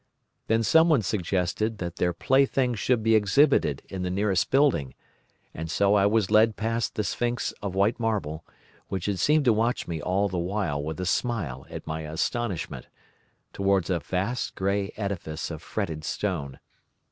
Then someone suggested that their plaything should be exhibited in the nearest building, and so I was led past the sphinx of white marble, which had seemed to watch me all the while with a smile at my astonishment, towards a vast grey edifice of fretted stone.